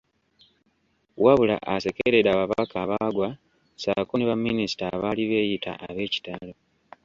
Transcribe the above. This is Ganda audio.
Wabula asekeredde ababaka abaagwa ssaako ne baminista abaali beeyita ab’ekitalo .